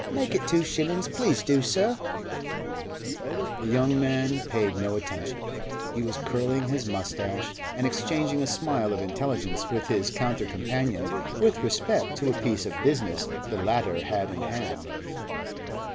'Make it two shillin's—please do, sir! The young man paid no attention; he was curling his moustache and exchanging a smile of intelligence with his counter companion with respect to a piece of business the latter had in hand.